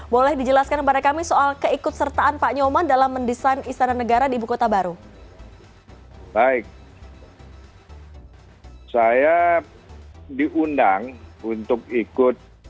boleh dijelaskan kepada kami soal keikut sertaan pak nyoman dalam mendesain istana negara di ibu kota baru